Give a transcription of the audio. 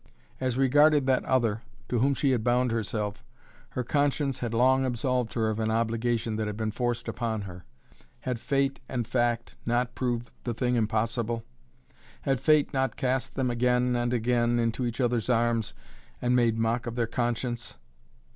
As regarded that other, to whom she had bound herself, her conscience had long absolved her of an obligation that had been forced upon her. Had fate and fact not proved the thing impossible? Had fate not cast them again and again into each other's arms and made mock of their conscience?